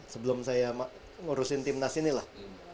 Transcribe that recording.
sebelum saya ngurusin tim nas ini lah